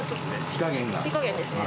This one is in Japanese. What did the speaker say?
火加減ですね。